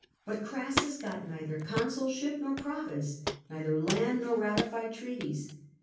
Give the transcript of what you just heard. But Crassus got neither consulship nor province, neither land nor ratified treaties.